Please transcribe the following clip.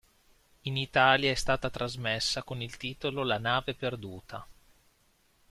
In Italia è stata trasmessa con il titolo "La nave perduta".